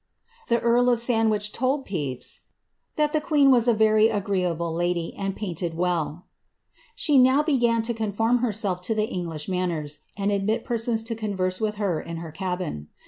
The earl of Sandwich told Pepys " that the queen was a very agreeable lady, and painted well." She now be gan to conform herself to the English manners, and admit persons to converse with her in her cabin.